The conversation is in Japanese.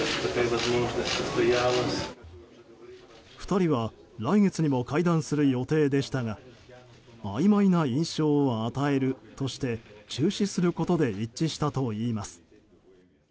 ２人は来月にも会談する予定でしたがあいまいな印象を与えるとして中止することで一致したといいます。